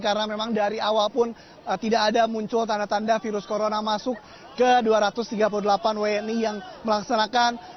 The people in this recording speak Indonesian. karena memang dari awal pun tidak ada muncul tanda tanda virus corona masuk ke dua ratus tiga puluh delapan wni yang melaksanakan